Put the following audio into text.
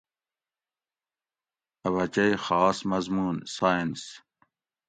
اۤ بچئ خاص مضموُن (سایٔنس